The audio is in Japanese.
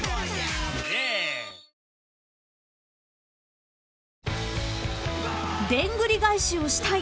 ニトリ［でんぐり返しをしたい。